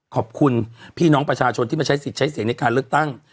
ขอบคุณพี่น้องประชาชนที่มาใช้สิทธิ์ใช้เสียงในการเลือกตั้ง